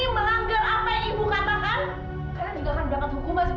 ibu gak jempol ibu gak jempol kalau mau bilang do